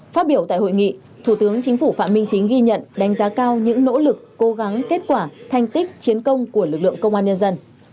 phát biểu tại hội nghị thủ tướng chính phủ phạm minh chính ghi nhận đánh giá cao những nỗ lực cố gắng kết quả thành tích chiến công của lực lượng công an nhân dân